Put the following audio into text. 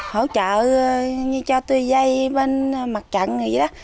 hỗ trợ như cho tôi dây bên mặt trận gì đó